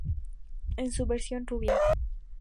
En su versión rubia.